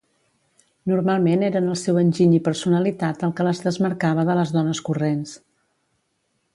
Normalment eren el seu enginy i personalitat el que les desmarcava de les dones corrents.